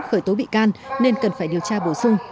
khởi tố bị can nên cần phải điều tra bổ sung